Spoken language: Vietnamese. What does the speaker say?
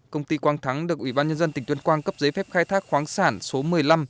công ty quang thắng được ủy ban nhân dân tỉnh tuyên quang cấp giấy phép khai thác khoáng sản số một mươi năm